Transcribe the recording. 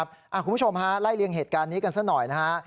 คุณผู้ชมฮะไล่เลี่ยงเหตุการณ์นี้กันซะหน่อยนะฮะ